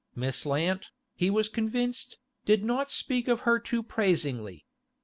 Miss Lant, he was convinced, did not speak of her too praisingly.